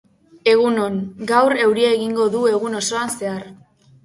Egunon, gaur euria egingo du egun osoan zehar